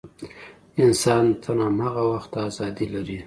انسان تر هماغه وخته ازادي لري.